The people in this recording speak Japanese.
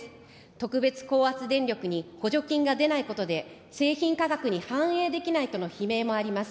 特別高圧電力に補助金が出ないことで、製品価格に反映できないとの悲鳴もあります。